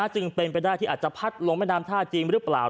จึงเป็นไปได้ที่อาจจะพัดลงแม่น้ำท่าจีนหรือเปล่า